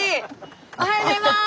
おはようございます！